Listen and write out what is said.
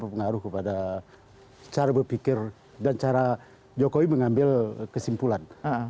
berpengaruh kepada cara berpikir dan cara jokowi mengambil kesimpulan